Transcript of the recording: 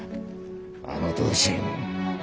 あの同心。